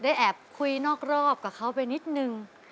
ได้แอบคุยนอกรอบกับเขาก็นิดหนึ่ง